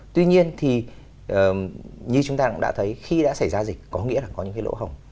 tuy nhiên thì như chúng ta cũng đã thấy khi đã xảy ra dịch có nghĩa là có những cái lỗ hồng